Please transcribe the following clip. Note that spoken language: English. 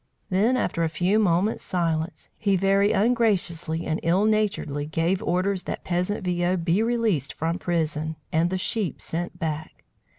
Then, after a few moments' silence, he very ungraciously and ill naturedly gave orders that peasant Viaud be released from prison, and the sheep sent back.